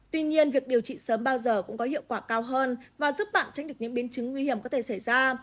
tuy nhiên việc điều trị sớm bao giờ cũng có hiệu quả cao hơn và giúp bạn tránh được những biến chứng nguy hiểm có thể xảy ra